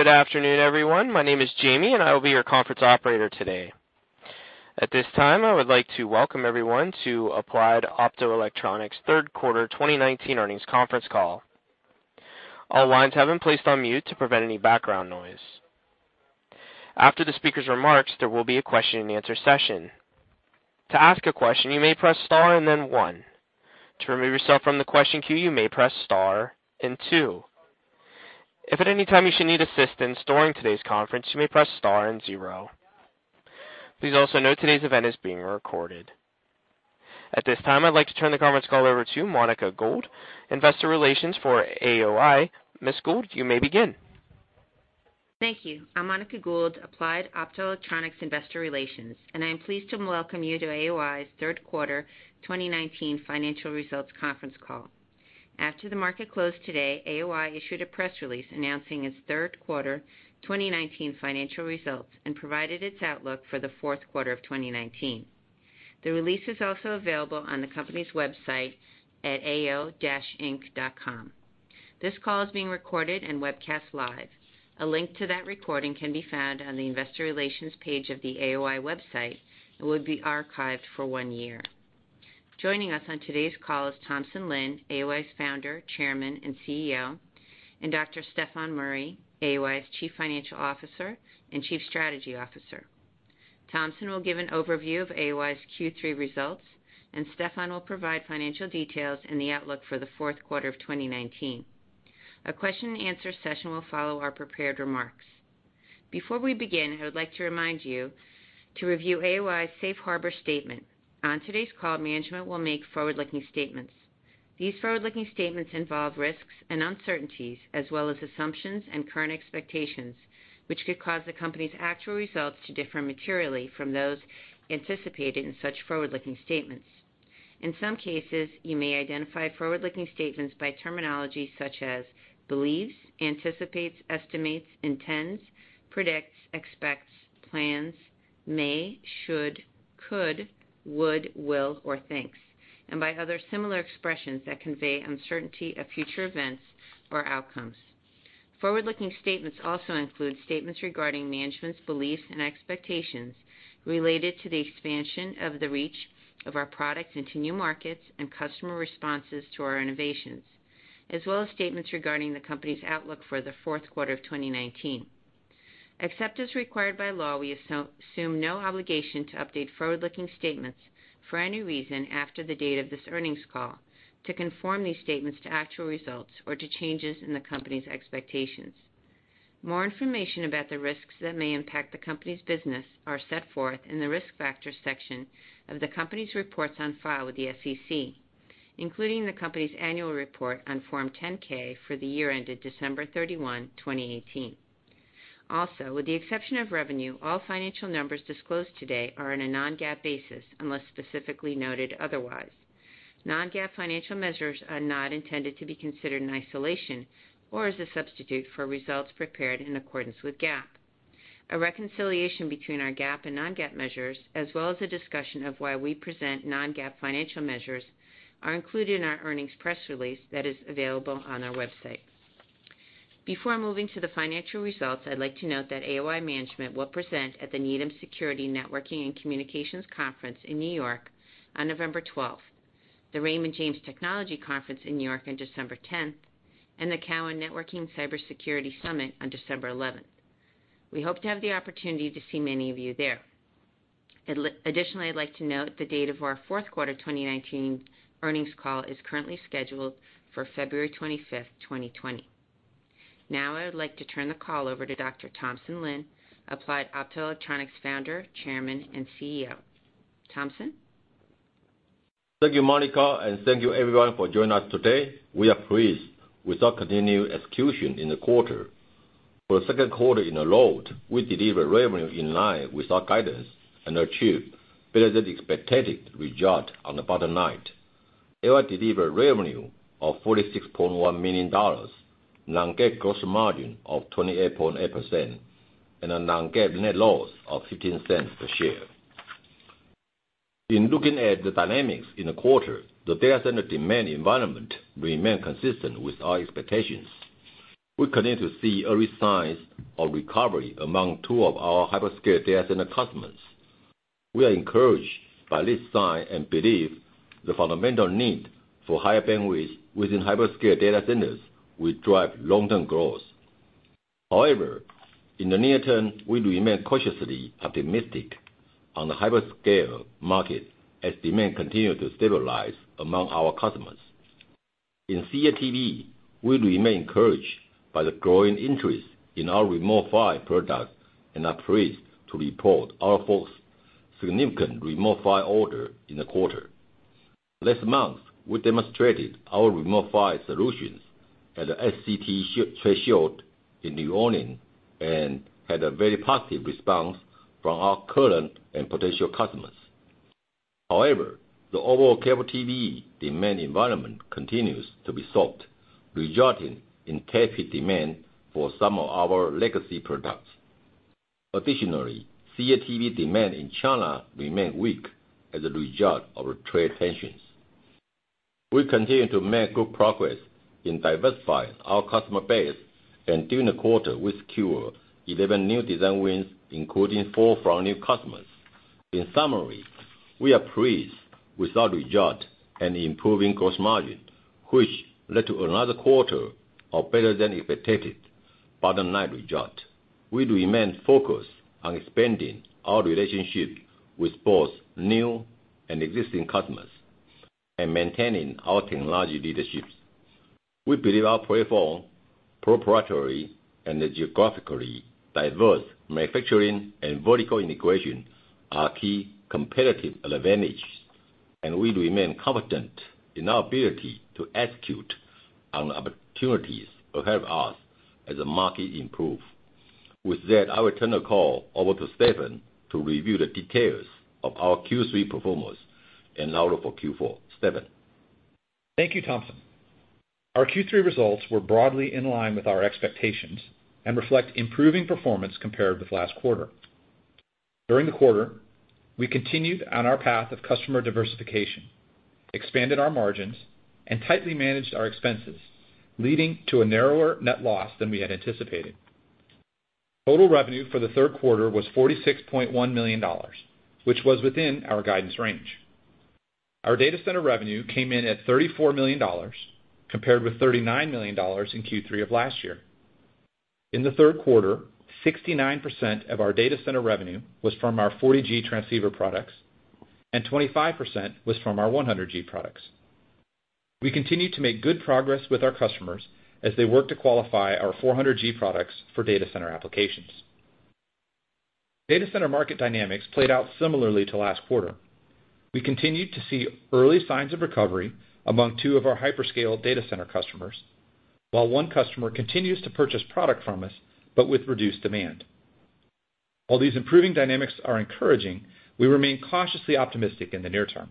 Good afternoon, everyone. My name is Jamie, and I will be your conference operator today. At this time, I would like to welcome everyone to Applied Optoelectronics third quarter 2019 earnings conference call. All lines have been placed on mute to prevent any background noise. After the speaker's remarks, there will be a question and answer session. To ask a question, you may press star and then one. To remove yourself from the question queue, you may press star and two. If at any time you should need assistance during today's conference, you may press star and zero. Please also note today's event is being recorded. At this time, I'd like to turn the conference call over to Monica Gould, investor relations for AOI. Ms. Gould, you may begin. Thank you. I'm Monica Gould, Applied Optoelectronics Investor Relations, and I'm pleased to welcome you to AOI's third quarter 2019 financial results conference call. After the market closed today, AOI issued a press release announcing its third quarter 2019 financial results and provided its outlook for the fourth quarter of 2019. The release is also available on the company's website at ao-inc.com. This call is being recorded and webcast live. A link to that recording can be found on the investor relations page of the AOI website and will be archived for one year. Joining us on today's call is Thompson Lin, AOI's Founder, Chairman, and CEO, and Dr. Stefan Murry, AOI's Chief Financial Officer and Chief Strategy Officer. Thompson will give an overview of AOI's Q3 results, and Stefan will provide financial details and the outlook for the fourth quarter of 2019. A question and answer session will follow our prepared remarks. Before we begin, I would like to remind you to review AOI's safe harbor statement. On today's call, management will make forward-looking statements. These forward-looking statements involve risks and uncertainties, as well as assumptions and current expectations, which could cause the company's actual results to differ materially from those anticipated in such forward-looking statements. In some cases, you may identify forward-looking statements by terminology such as believes, anticipates, estimates, intends, predicts, expects, plans, may, should, could, would, will, or thinks, and by other similar expressions that convey uncertainty of future events or outcomes. Forward-looking statements also include statements regarding management's beliefs and expectations related to the expansion of the reach of our products into new markets and customer responses to our innovations, as well as statements regarding the company's outlook for the fourth quarter of 2019. Except as required by law, we assume no obligation to update forward-looking statements for any reason after the date of this earnings call to conform these statements to actual results or to changes in the company's expectations. More information about the risks that may impact the company's business are set forth in the risk factors section of the company's reports on file with the SEC, including the company's annual report on Form 10-K for the year ended December 31, 2018. Also, with the exception of revenue, all financial numbers disclosed today are on a non-GAAP basis unless specifically noted otherwise. Non-GAAP financial measures are not intended to be considered in isolation or as a substitute for results prepared in accordance with GAAP. A reconciliation between our GAAP and non-GAAP measures, as well as a discussion of why we present non-GAAP financial measures, are included in our earnings press release that is available on our website. Before moving to the financial results, I'd like to note that AOI management will present at the Needham Security, Networking and Communications Conference in New York on November 12th, the Raymond James Technology Conference in New York on December 10th, and the Cowen Networking & Cybersecurity Summit on December 11th. We hope to have the opportunity to see many of you there. Additionally, I'd like to note the date of our fourth quarter 2019 earnings call is currently scheduled for February 25th, 2020. Now I would like to turn the call over to Dr. Thompson Lin, Applied Optoelectronics Founder, Chairman, and CEO. Thompson? Thank you, Monica, and thank you everyone for joining us today. We are pleased with our continued execution in the quarter. For the second quarter in a row, we delivered revenue in line with our guidance and achieved better than expected results on the bottom line. AOI delivered revenue of $46.1 million, non-GAAP gross margin of 28.8%, and a non-GAAP net loss of $0.15 per share. In looking at the dynamics in the quarter, the data center demand environment remained consistent with our expectations. We continue to see early signs of recovery among two of our hyperscale data center customers. We are encouraged by this sign and believe the fundamental need for higher bandwidth within hyperscale data centers will drive long-term growth. However, in the near term, we remain cautiously optimistic on the hyperscale market as demand continues to stabilize among our customers. In CATV, we remain encouraged by the growing interest in our Remote PHY products and are pleased to report our fourth significant Remote PHY order in the quarter. Last month, we demonstrated our Remote PHY solutions at the SCTE trade show in New Orleans and had a very positive response from our current and potential customers. However, the overall CATV demand environment continues to be soft, resulting in tepid demand for some of our legacy products. Additionally, CATV demand in China remained weak as a result of trade tensions. We continue to make good progress in diversifying our customer base, and during the quarter, we secured 11 new design wins, including four from new customers. In summary, we are pleased with our result and improving gross margin, which led to another quarter of better than expected bottom line result. We remain focused on expanding our relationship with both new and existing customers and maintaining our technology leadership. We believe our platform, proprietary, and geographically diverse manufacturing and vertical integration are key competitive advantages, and we remain confident in our ability to execute on opportunities ahead of us as the market improves. With that, I will turn the call over to Stefan to review the details of our Q3 performance and outlook for Q4. Stefan? Thank you, Thompson. Our Q3 results were broadly in line with our expectations and reflect improving performance compared with last quarter. During the quarter, we continued on our path of customer diversification, expanded our margins, and tightly managed our expenses, leading to a narrower net loss than we had anticipated. Total revenue for the third quarter was $46.1 million, which was within our guidance range. Our data center revenue came in at $34 million, compared with $39 million in Q3 of last year. In the third quarter, 69% of our data center revenue was from our 40G transceiver products, and 25% was from our 100G products. We continue to make good progress with our customers as they work to qualify our 400G products for data center applications. Data center market dynamics played out similarly to last quarter. We continued to see early signs of recovery among two of our hyperscale data center customers, while one customer continues to purchase product from us, but with reduced demand. While these improving dynamics are encouraging, we remain cautiously optimistic in the near term.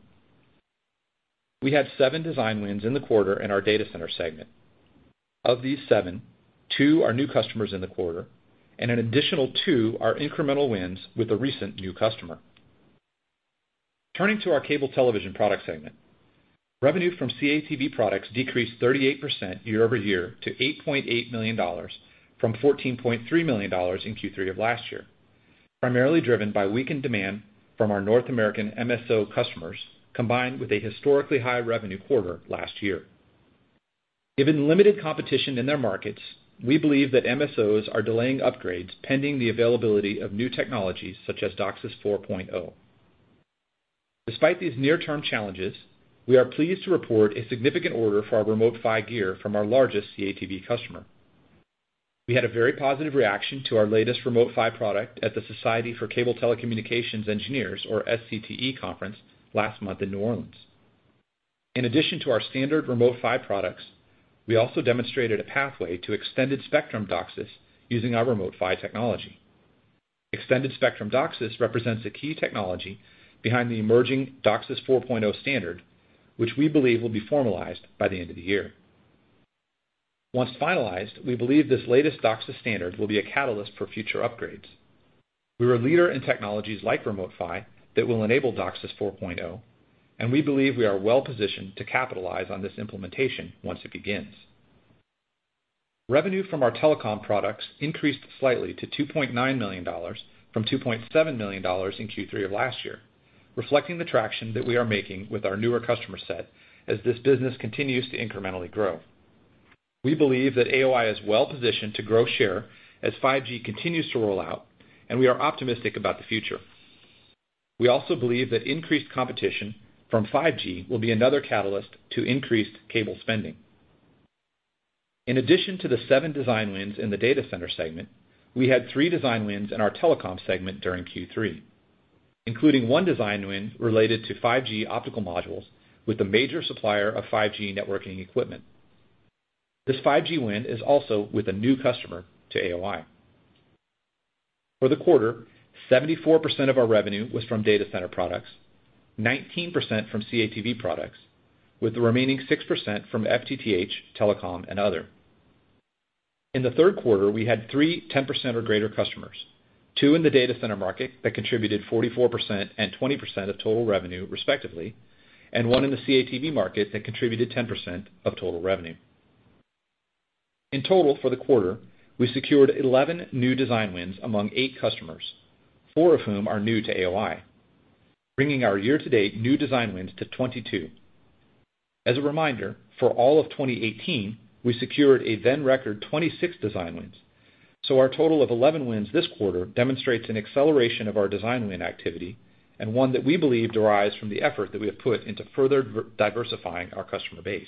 We had seven design wins in the quarter in our data center segment. Of these seven, two are new customers in the quarter, and an additional two are incremental wins with a recent new customer. Turning to our CATV product segment. Revenue from CATV products decreased 38% year-over-year to $8.8 million, from $14.3 million in Q3 of last year, primarily driven by weakened demand from our North American MSO customers, combined with a historically high revenue quarter last year. Given limited competition in their markets, we believe that MSOs are delaying upgrades pending the availability of new technologies such as DOCSIS 4.0. Despite these near-term challenges, we are pleased to report a significant order for our Remote PHY gear from our largest CATV customer. We had a very positive reaction to our latest Remote PHY product at the Society of Cable Telecommunications Engineers, or SCTE conference, last month in New Orleans. In addition to our standard Remote PHY products, we also demonstrated a pathway to Extended Spectrum DOCSIS using our Remote PHY technology. Extended Spectrum DOCSIS represents a key technology behind the emerging DOCSIS 4.0 standard, which we believe will be formalized by the end of the year. Once finalized, we believe this latest DOCSIS standard will be a catalyst for future upgrades. We are a leader in technologies like Remote PHY that will enable DOCSIS 4.0, and we believe we are well-positioned to capitalize on this implementation once it begins. Revenue from our telecom products increased slightly to $2.9 million from $2.7 million in Q3 of last year, reflecting the traction that we are making with our newer customer set as this business continues to incrementally grow. We believe that AOI is well-positioned to grow share as 5G continues to roll out, and we are optimistic about the future. We also believe that increased competition from 5G will be another catalyst to increased cable spending. In addition to the seven design wins in the data center segment, we had three design wins in our telecom segment during Q3, including one design win related to 5G optical modules with a major supplier of 5G networking equipment. This 5G win is also with a new customer to AOI. For the quarter, 74% of our revenue was from data center products, 19% from CATV products, with the remaining 6% from FTTH, telecom, and other. In the third quarter, we had three 10% or greater customers, two in the data center market that contributed 44% and 20% of total revenue respectively, and one in the CATV market that contributed 10% of total revenue. In total, for the quarter, we secured 11 new design wins among eight customers, four of whom are new to AOI, bringing our year-to-date new design wins to 22. As a reminder, for all of 2018, we secured a then record 26 design wins. Our total of 11 wins this quarter demonstrates an acceleration of our design win activity and one that we believe derives from the effort that we have put into further diversifying our customer base.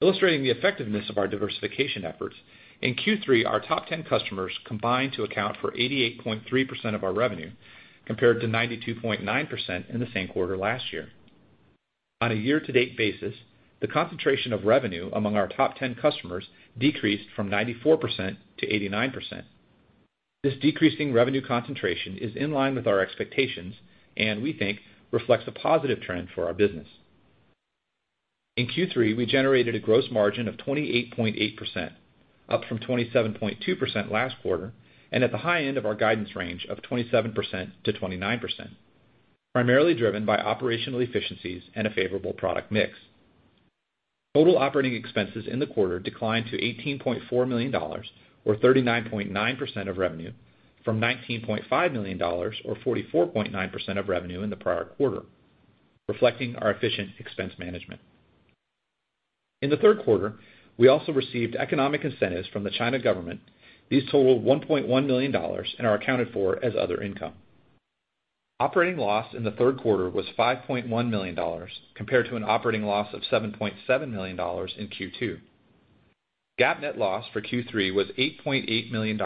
Illustrating the effectiveness of our diversification efforts, in Q3, our top 10 customers combined to account for 88.3% of our revenue, compared to 92.9% in the same quarter last year. On a year-to-date basis, the concentration of revenue among our top 10 customers decreased from 94% to 89%. This decreasing revenue concentration is in line with our expectations and we think reflects a positive trend for our business. In Q3, we generated a gross margin of 28.8%, up from 27.2% last quarter, and at the high end of our guidance range of 27%-29%, primarily driven by operational efficiencies and a favorable product mix. Total operating expenses in the quarter declined to $18.4 million, or 39.9% of revenue, from $19.5 million, or 44.9% of revenue in the prior quarter, reflecting our efficient expense management. In the third quarter, we also received economic incentives from the China government. These totaled $1.1 million and are accounted for as other income. Operating loss in the third quarter was $5.1 million, compared to an operating loss of $7.7 million in Q2. GAAP net loss for Q3 was $8.8 million,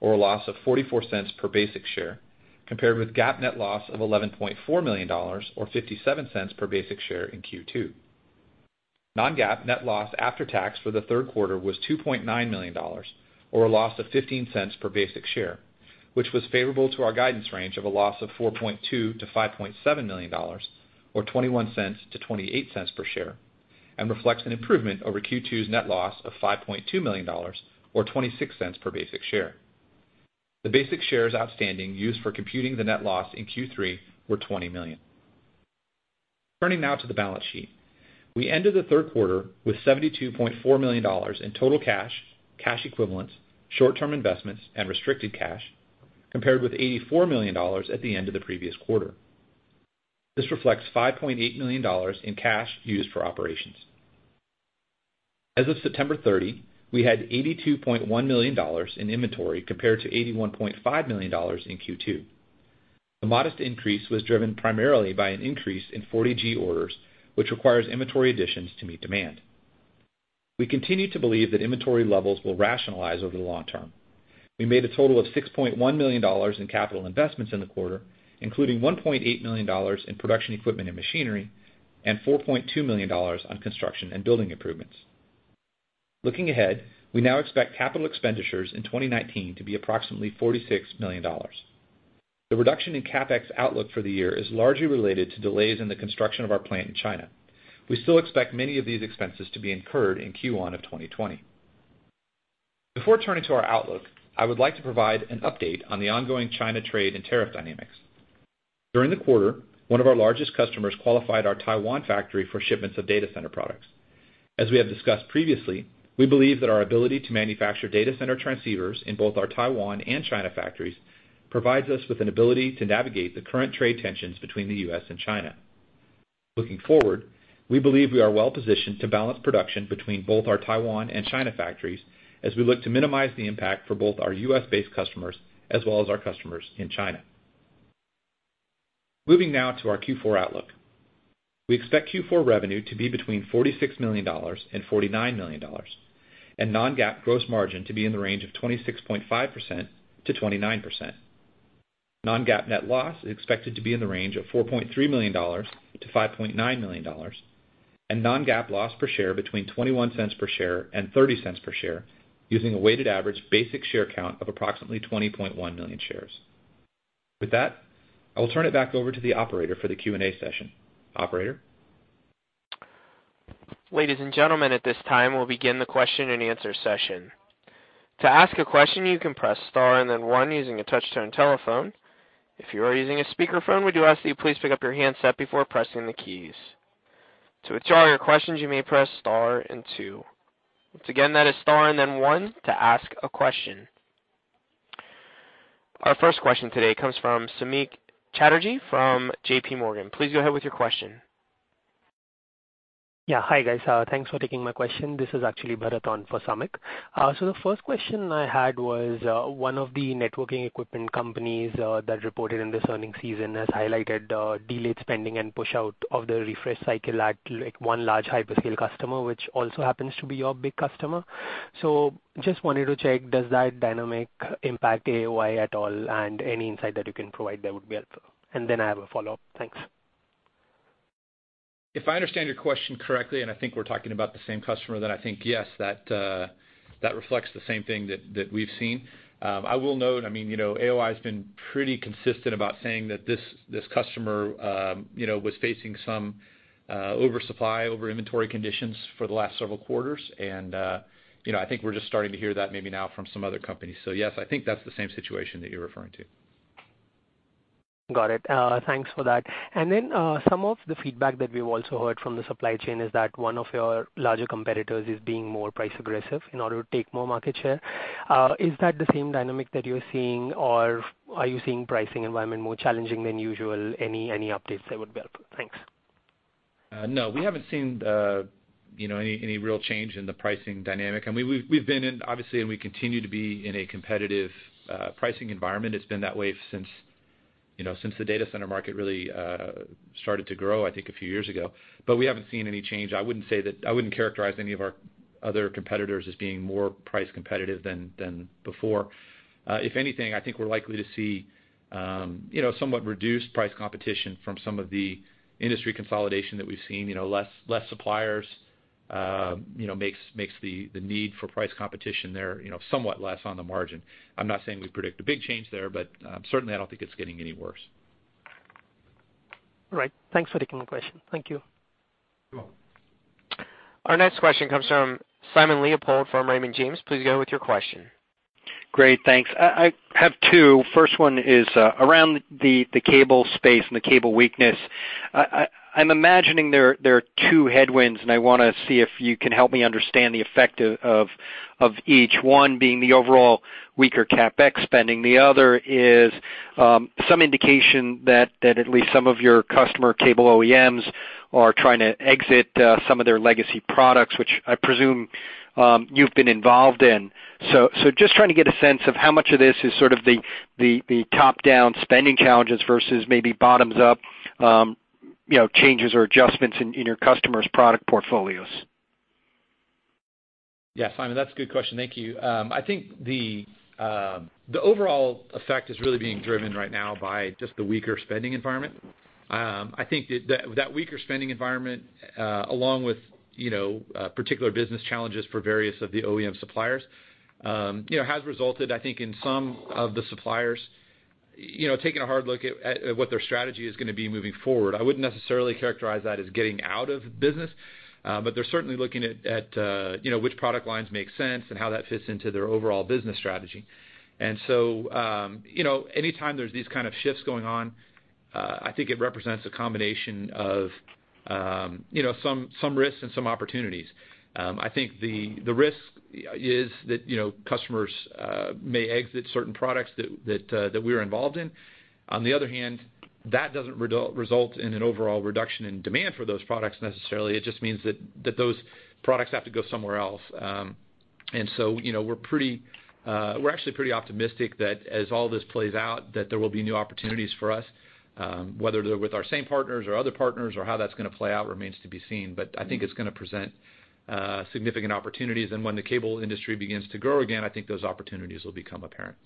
or a loss of $0.44 per basic share, compared with GAAP net loss of $11.4 million or $0.57 per basic share in Q2. non-GAAP net loss after tax for the third quarter was $2.9 million, or a loss of $0.15 per basic share, which was favorable to our guidance range of a loss of $4.2 million-$5.7 million, or $0.21-$0.28 per share, and reflects an improvement over Q2's net loss of $5.2 million or $0.26 per basic share. The basic shares outstanding used for computing the net loss in Q3 were 20 million. Turning now to the balance sheet. We ended the third quarter with $72.4 million in total cash equivalents, short-term investments and restricted cash, compared with $84 million at the end of the previous quarter. This reflects $5.8 million in cash used for operations. As of September 30, we had $82.1 million in inventory, compared to $81.5 million in Q2. The modest increase was driven primarily by an increase in 40G orders, which requires inventory additions to meet demand. We continue to believe that inventory levels will rationalize over the long term. We made a total of $6.1 million in capital investments in the quarter, including $1.8 million in production equipment and machinery and $4.2 million on construction and building improvements. Looking ahead, we now expect capital expenditures in 2019 to be approximately $46 million. The reduction in CapEx outlook for the year is largely related to delays in the construction of our plant in China. We still expect many of these expenses to be incurred in Q1 of 2020. Before turning to our outlook, I would like to provide an update on the ongoing China trade and tariff dynamics. During the quarter, one of our largest customers qualified our Taiwan factory for shipments of data center products. As we have discussed previously, we believe that our ability to manufacture data center transceivers in both our Taiwan and China factories provides us with an ability to navigate the current trade tensions between the U.S. and China. Looking forward, we believe we are well-positioned to balance production between both our Taiwan and China factories as we look to minimize the impact for both our U.S.-based customers as well as our customers in China. Moving now to our Q4 outlook. We expect Q4 revenue to be between $46 million and $49 million, and non-GAAP gross margin to be in the range of 26.5%-29%. Non-GAAP net loss is expected to be in the range of $4.3 million-$5.9 million, and non-GAAP loss per share between $0.21 per share and $0.30 per share, using a weighted average basic share count of approximately 20.1 million shares. With that, I will turn it back over to the operator for the Q&A session. Operator? Ladies and gentlemen, at this time, we'll begin the question and answer session. To ask a question, you can press star and then one using a touch-tone telephone. If you are using a speakerphone, we do ask that you please pick up your handset before pressing the keys. To withdraw your questions, you may press star and two. Once again, that is star and then one to ask a question. Our first question today comes from Samik Chatterjee from JPMorgan. Please go ahead with your question. Yeah. Hi, guys. Thanks for taking my question. This is actually Bharath on for Samik. The first question I had was, one of the networking equipment companies that reported in this earning season has highlighted delayed spending and push-out of the refresh cycle at one large hyperscale customer, which also happens to be your big customer. Just wanted to check, does that dynamic impact AOI at all? Any insight that you can provide there would be helpful. I have a follow-up. Thanks. If I understand your question correctly, and I think we're talking about the same customer, then I think yes, that reflects the same thing that we've seen. I will note, AOI has been pretty consistent about saying that this customer was facing some oversupply, over inventory conditions for the last several quarters. I think we're just starting to hear that maybe now from some other companies. Yes, I think that's the same situation that you're referring to. Got it. Thanks for that. Some of the feedback that we've also heard from the supply chain is that one of your larger competitors is being more price-aggressive in order to take more market share. Is that the same dynamic that you're seeing, or are you seeing pricing environment more challenging than usual? Any updates there would help. Thanks. No. We haven't seen any real change in the pricing dynamic. We've been in, obviously, and we continue to be in a competitive pricing environment. It's been that way since the data center market really started to grow, I think, a few years ago. We haven't seen any change. I wouldn't characterize any of our other competitors as being more price competitive than before. If anything, I think we're likely to see somewhat reduced price competition from some of the industry consolidation that we've seen. Less suppliers makes the need for price competition there somewhat less on the margin. I'm not saying we predict a big change there, but certainly I don't think it's getting any worse. Right. Thanks for taking the question. Thank you. Our next question comes from Simon Leopold from Raymond James. Please go with your question. Great. Thanks. I have two. First one is around the cable space and the cable weakness. I'm imagining there are two headwinds, and I want to see if you can help me understand the effect of each. One being the overall weaker CapEx spending. The other is some indication that at least some of your customer cable OEMs are trying to exit some of their legacy products, which I presume you've been involved in. Just trying to get a sense of how much of this is sort of the top-down spending challenges versus maybe bottoms-up changes or adjustments in your customers' product portfolios. Yeah. Simon, that's a good question. Thank you. I think the overall effect is really being driven right now by just the weaker spending environment. I think that weaker spending environment, along with particular business challenges for various of the OEM suppliers has resulted, I think, in some of the suppliers taking a hard look at what their strategy is going to be moving forward. I wouldn't necessarily characterize that as getting out of business. They're certainly looking at which product lines make sense and how that fits into their overall business strategy. Anytime there's these kind of shifts going on, I think it represents a combination of some risks and some opportunities. I think the risk is that customers may exit certain products that we're involved in. On the other hand, that doesn't result in an overall reduction in demand for those products necessarily. It just means that those products have to go somewhere else. We're actually pretty optimistic that as all this plays out, that there will be new opportunities for us, whether they're with our same partners or other partners or how that's going to play out remains to be seen. I think it's going to present significant opportunities. When the cable industry begins to grow again, I think those opportunities will become apparent.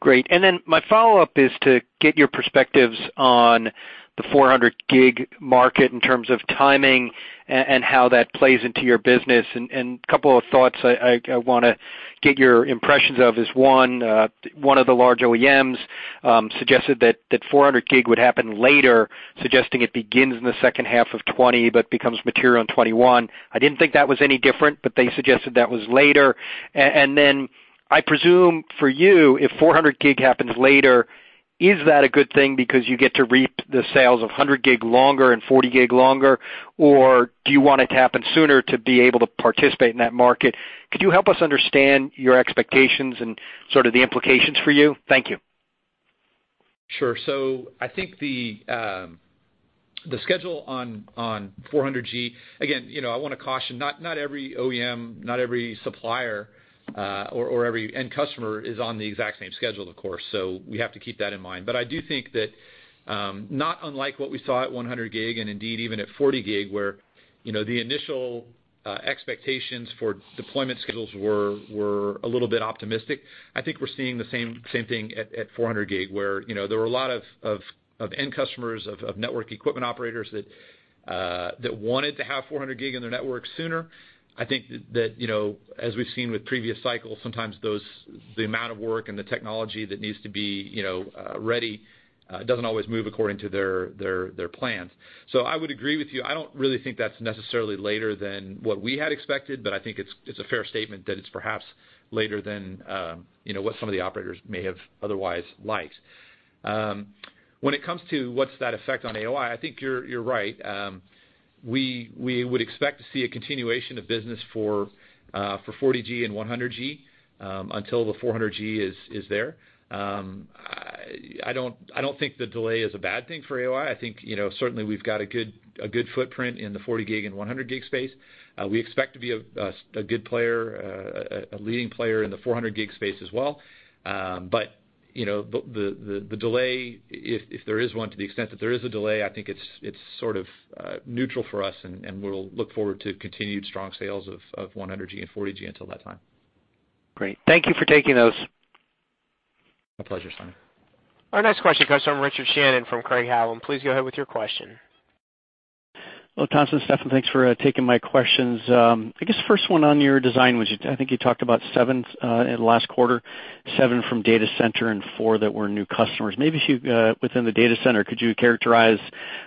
Great. Then my follow-up is to get your perspectives on the 400G market in terms of timing and how that plays into your business. A couple of thoughts I want to get your impressions of is one of the large OEMs suggested that 400G would happen later, suggesting it begins in the second half of 2020 but becomes material in 2021. I didn't think that was any different, they suggested that was later. Then I presume for you, if 400G happens later, is that a good thing because you get to reap the sales of 100G longer and 40G longer? Do you want it to happen sooner to be able to participate in that market? Could you help us understand your expectations and sort of the implications for you? Thank you. Sure. I think the schedule on 400G, again, I want to caution not every OEM, not every supplier, or every end customer is on the exact same schedule, of course. We have to keep that in mind. I do think that not unlike what we saw at 100G and indeed even at 40G, where the initial expectations for deployment schedules were a little bit optimistic. I think we're seeing the same thing at 400G, where there were a lot of end customers, of network equipment operators that wanted to have 400G in their network sooner. I think that as we've seen with previous cycles, sometimes the amount of work and the technology that needs to be ready doesn't always move according to their plans. I would agree with you. I don't really think that's necessarily later than what we had expected, but I think it's a fair statement that it's perhaps later than what some of the operators may have otherwise liked. When it comes to what's that effect on AOI, I think you're right. We would expect to see a continuation of business for 40G and 100G until the 400G is there. I don't think the delay is a bad thing for AOI. I think certainly we've got a good footprint in the 40G and 100G space. We expect to be a good player, a leading player in the 400G space as well. The delay, if there is one, to the extent that there is a delay, I think it's sort of neutral for us, and we'll look forward to continued strong sales of 100G and 40G until that time. Great. Thank you for taking those. My pleasure, Simon. Our next question comes from Richard Shannon from Craig-Hallum. Please go ahead with your question. Hello, Thompson and Stefan. Thanks for taking my questions. I guess first one on your design wins. I think you talked about seven in last quarter, seven from data center and four that were new customers. Maybe within the data center, could you characterize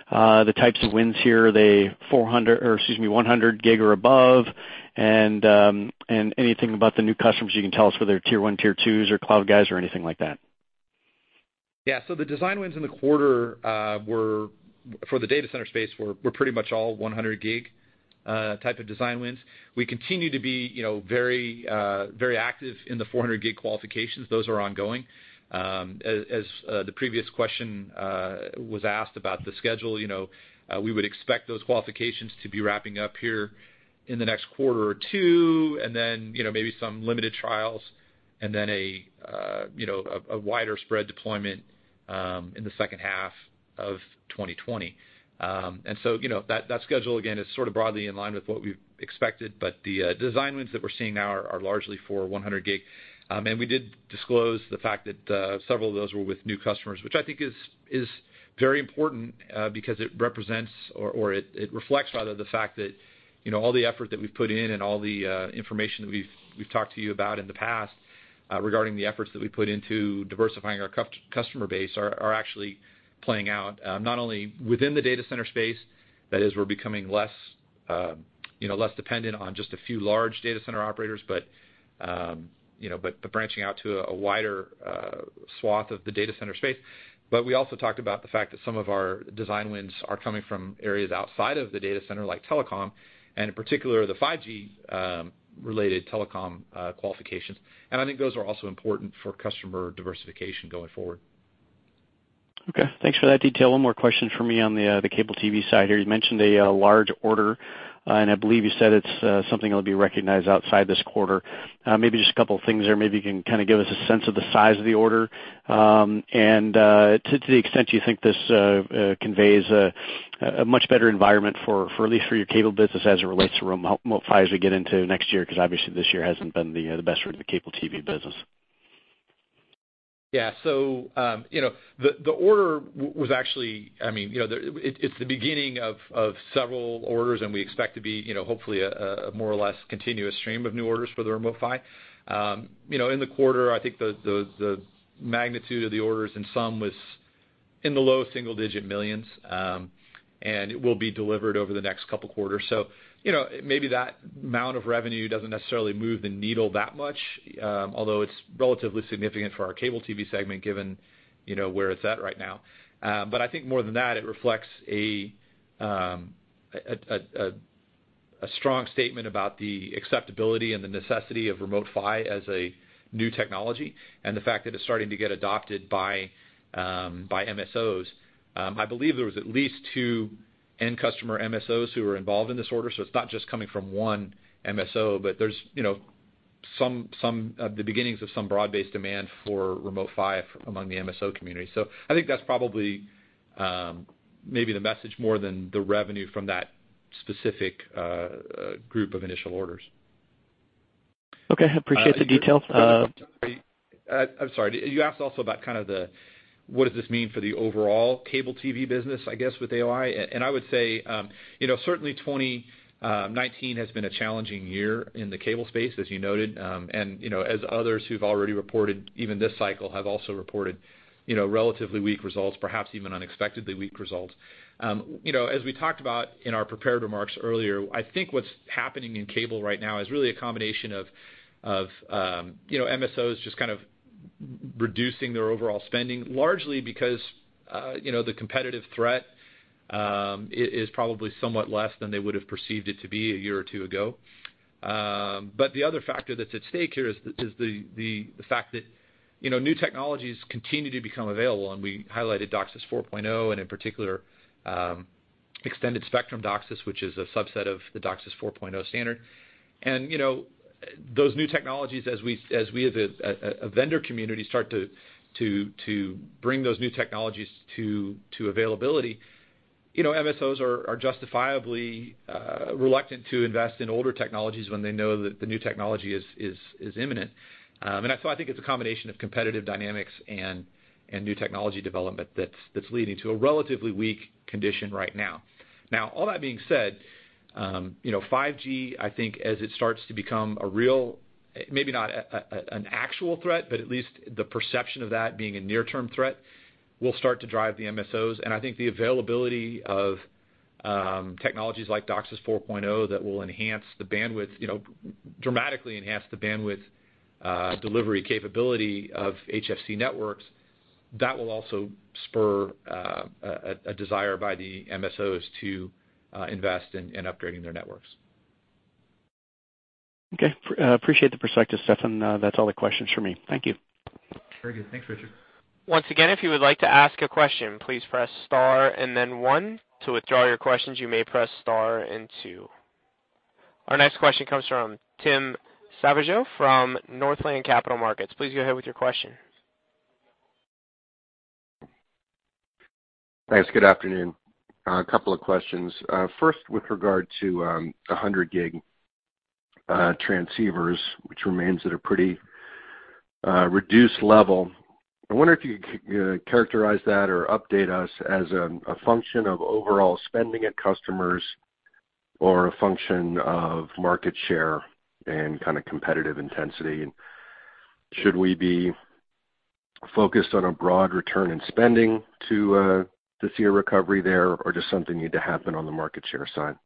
the types of wins here? Are they 400 or, excuse me, 100G or above? Anything about the new customers you can tell us, whether they're tier 1, tier 2s or cloud guys or anything like that? Yeah. The design wins in the quarter for the data center space were pretty much all 100G type of design wins. We continue to be very active in the 400G qualifications. Those are ongoing. As the previous question was asked about the schedule, we would expect those qualifications to be wrapping up here in the next quarter or two, and then maybe some limited trials and then a wider spread deployment in the second half of 2020. That schedule again is sort of broadly in line with what we've expected, but the design wins that we're seeing now are largely for 100G. We did disclose the fact that several of those were with new customers, which I think is very important because it represents or it reflects rather the fact that all the effort that we've put in and all the information that we've talked to you about in the past regarding the efforts that we put into diversifying our customer base are actually playing out not only within the data center space. That is, we're becoming less dependent on just a few large data center operators, but the branching out to a wider swath of the data center space. We also talked about the fact that some of our design wins are coming from areas outside of the data center, like telecom, and in particular, the 5G-related telecom qualifications. I think those are also important for customer diversification going forward. Okay. Thanks for that detail. One more question from me on the cable TV side here. You mentioned a large order, and I believe you said it'll be recognized outside this quarter. Maybe just a couple things there. Maybe you can kind of give us a sense of the size of the order, and to the extent you think this conveys a much better environment for at least for your cable business as it relates to Remote PHY as we get into next year, because obviously this year hasn't been the best for the cable TV business. Yeah. The order, it's the beginning of several orders, and we expect to be, hopefully, a more or less continuous stream of new orders for the Remote PHY. In the quarter, I think the magnitude of the orders in sum was in the $low single-digit millions. It will be delivered over the next couple quarters. Maybe that amount of revenue doesn't necessarily move the needle that much, although it's relatively significant for our cable TV segment, given where it's at right now. I think more than that, it reflects a strong statement about the acceptability and the necessity of Remote PHY as a new technology and the fact that it's starting to get adopted by MSOs. I believe there was at least two end customer MSOs who were involved in this order. It's not just coming from one MSO, but there's the beginnings of some broad-based demand for Remote PHY among the MSO community. I think that's probably maybe the message more than the revenue from that specific group of initial orders. Okay. Appreciate the details. I'm sorry. You asked also about what does this mean for the overall cable TV business, I guess, with AOI. I would say, certainly 2019 has been a challenging year in the cable space, as you noted. As others who've already reported, even this cycle, have also reported relatively weak results, perhaps even unexpectedly weak results. As we talked about in our prepared remarks earlier, I think what's happening in cable right now is really a combination of MSOs just kind of reducing their overall spending, largely because the competitive threat is probably somewhat less than they would've perceived it to be a year or two ago. The other factor that's at stake here is the fact that new technologies continue to become available, and we highlighted DOCSIS 4.0, and in particular Extended Spectrum DOCSIS, which is a subset of the DOCSIS 4.0 standard. Those new technologies, as we as a vendor community start to bring those new technologies to availability, MSOs are justifiably reluctant to invest in older technologies when they know that the new technology is imminent. I think it's a combination of competitive dynamics and new technology development that's leading to a relatively weak condition right now. Now, all that being said, 5G, I think as it starts to become a real, maybe not an actual threat, but at least the perception of that being a near-term threat, will start to drive the MSOs. I think the availability of technologies like DOCSIS 4.0 that will dramatically enhance the bandwidth delivery capability of HFC networks, that will also spur a desire by the MSOs to invest in upgrading their networks. Okay. Appreciate the perspective, Stefan. That's all the questions from me. Thank you. Very good. Thanks, Richard. Once again, if you would like to ask a question, please press star and then one. To withdraw your questions, you may press star and two. Our next question comes from Tim Savageaux from Northland Capital Markets. Please go ahead with your question. Thanks. Good afternoon. A couple of questions. First, with regard to 100G transceivers, which remains at a pretty reduced level. I wonder if you could characterize that or update us as a function of overall spending at customers or a function of market share and kind of competitive intensity. Should we be focused on a broad return in spending to see a recovery there, or does something need to happen on the market share side?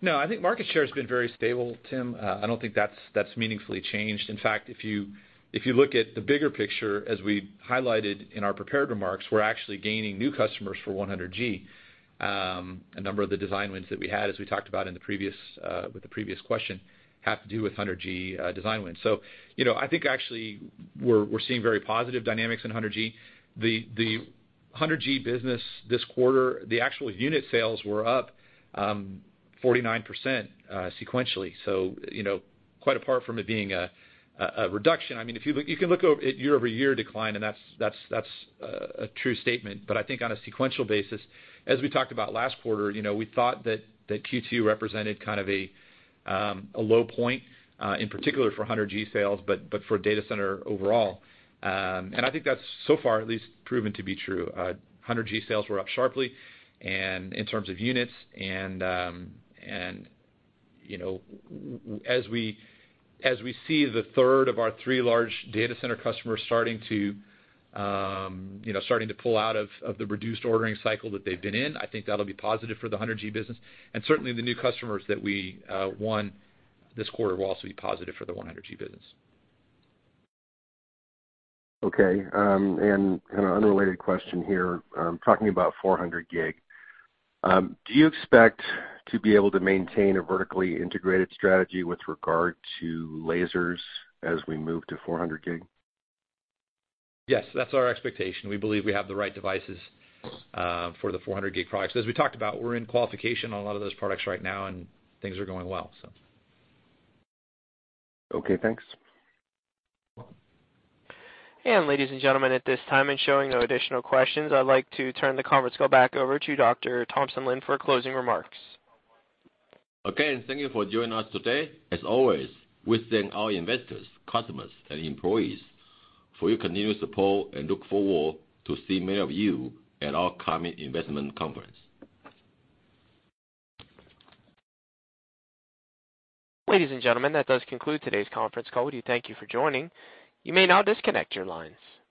No, I think market share has been very stable, Tim. I don't think that's meaningfully changed. In fact, if you look at the bigger picture, as we highlighted in our prepared remarks, we're actually gaining new customers for 100G. A number of the design wins that we had, as we talked about with the previous question, have to do with 100G design wins. I think actually we're seeing very positive dynamics in 100G. The 100G business this quarter, the actual unit sales were up 49% sequentially. Quite apart from it being a reduction, you can look at year-over-year decline, and that's a true statement. I think on a sequential basis, as we talked about last quarter, we thought that Q2 represented kind of a low point, in particular for 100G sales, but for data center overall. I think that's so far at least proven to be true. 100G sales were up sharply and in terms of units. As we see the third of our three large data center customers starting to pull out of the reduced ordering cycle that they've been in, I think that'll be positive for the 100G business. Certainly, the new customers that we won this quarter will also be positive for the 100G business. Okay. An unrelated question here. Talking about 400G. Do you expect to be able to maintain a vertically integrated strategy with regard to lasers as we move to 400G? Yes, that's our expectation. We believe we have the right devices for the 400G products. As we talked about, we're in qualification on a lot of those products right now, and things are going well, so. Okay, thanks. Ladies and gentlemen, at this time in showing no additional questions, I'd like to turn the conference call back over to Dr. Thompson Lin for closing remarks. Again, thank you for joining us today. As always, we thank our investors, customers, and employees for your continued support and look forward to see many of you at our coming investment conference. Ladies and gentlemen, that does conclude today's conference call. We thank you for joining. You may now disconnect your lines.